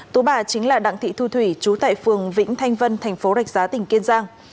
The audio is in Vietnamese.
tức là đảng thị thu thủy trú tại phương vĩnh thanh vân thành phố rạch giá tỉnh kiên giang